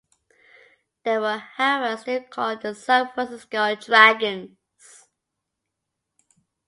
They were however still called the San Francisco Dragons.